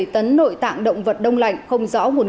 một mươi bảy tấn nội tạng động vật đông lạnh không rõ nguồn gốc